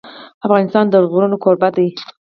افغانستان د غرونه کوربه دی.